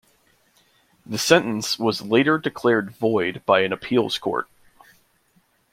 The sentence was later declared void by an appeals court.